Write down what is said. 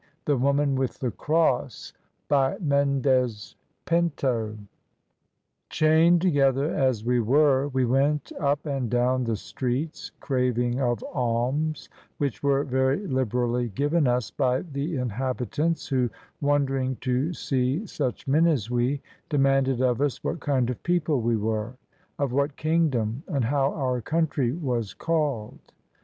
THE WOMAN WITH THE CROSS BY MENDEZ PINTO Chained together as we were, we went up and down the streets craving of alms, which were very liberally given us by the inhabitants, who, wondering to see such men as we, demanded of us what kind of people we were, of what kingdom, and how our country was called.